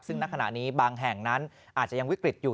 ซึ่งณขณะนี้บางแห่งนั้นอาจจะยังวิกฤตอยู่